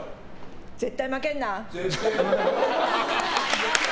絶対負けんな！